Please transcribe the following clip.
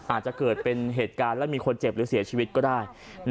อาจจะเกิดเป็นเหตุการณ์และมีคนเจ็บหรือเสียชีวิตก็ได้